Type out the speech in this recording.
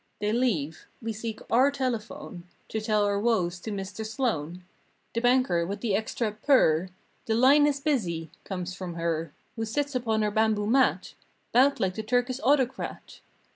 They leave. We seek our telephone To tell our woes to Mr. Sloan The banker with the extra P E R— "The line is busy" comes from her Who sits upon her bamboo mat 'Bout like the Turkish autocrat.